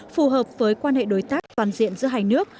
phù hợp với quan hệ đối tác toàn diện giữa hai nước